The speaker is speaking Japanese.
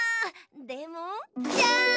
でもジャン！